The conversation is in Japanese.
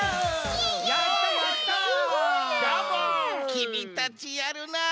きみたちやるなあ。